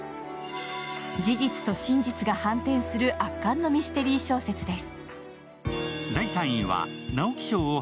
事実と真実が反転する圧巻のミステリー小説です。